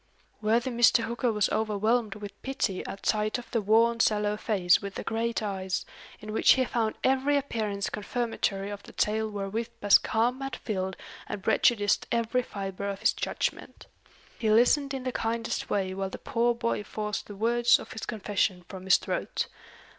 Worthy Mr. Hooker was overwhelmed with pity at sight of the worn sallow face with the great eyes, in which he found every appearance confirmatory of the tale wherewith Bascombe had filled and prejudiced every fibre of his judgment. He listened in the kindest way while the poor boy forced the words of his confession from his throat.